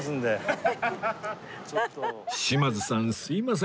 島津さんすいません